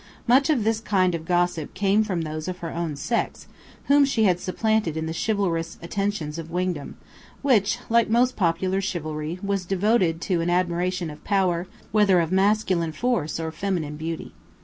Much of this kind of gossip came from those of her own sex whom she had supplanted in the chivalrous attentions of Wingdam, which, like most popular chivalry, was devoted to an admiration of power, whether of masculine force or feminine beauty.